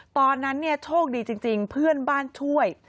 ตอนนั้นเนี่ยโชคดีจริงเพื่อนบ้านช่วย